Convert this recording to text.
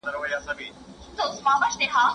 يو کېلو زر ګِرامه کیږي.